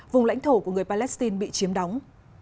vùng lãnh thổ của người palestine bị chiếm đóng